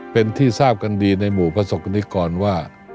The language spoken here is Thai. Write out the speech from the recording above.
เป็นที่ทราบกันดีในหมู่ประสบกรณิกรว่า